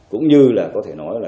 cũng như là có thể nói là